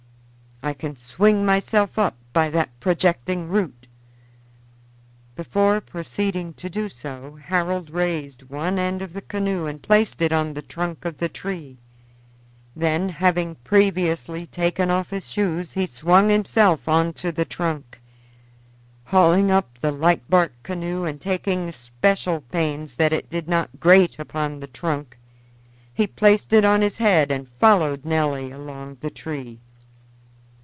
"I can swing myself up by that projecting root." Before proceeding to do so Harold raised one end of the canoe and placed it on the trunk of the tree; then, having previously taken off his shoes, he swung himself on to the trunk; hauling up the light bark canoe and taking especial pains that it did not grate upon the trunk, he placed it on his head and followed Nelly along the tree.